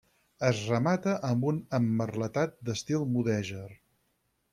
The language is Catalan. Es remata amb un emmerletat d'estil mudèjar.